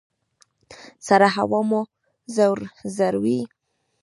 سړه هوا مو ځوروي؟